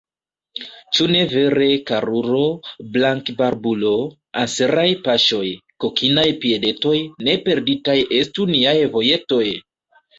Ĉu ne vere, karulo, blankbarbulo, anseraj paŝoj, kokinaj piedetoj, ne perditaj estu niaj vojetoj!